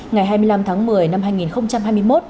ngày hai mươi năm tháng một mươi năm hai nghìn hai mươi một